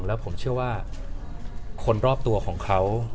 แล้วผมเชื่อว่าคนรอบตัวของเขา